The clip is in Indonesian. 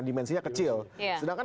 dimensinya kecil sedangkan